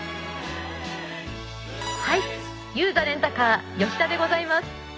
はいユーザレンタカー吉田でございます。